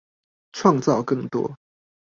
創造更多